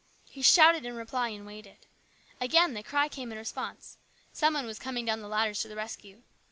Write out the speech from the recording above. He shouted back in reply and waited. Again the cry came in response. Some one was coming down the ladders to the rescue.